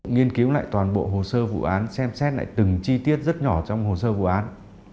nghiên cứu lại toàn bộ hồ sơ vụ án xem xét lại từng chi tiết rất nhỏ trong hồ sơ vụ án